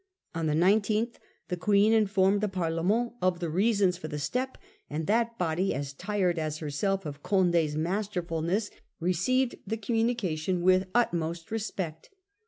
On the 19th the Queen informed the Parlement of the reasons for the step, and that body, as tired as herself of Condos masterfulness, received the communication with the utmost respect.